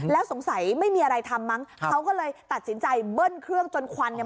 แล้วสงสัยไม่มีอะไรทำมั้งเขาก็เลยตัดสินใจเบิ้ลเครื่องจนควันเนี่ย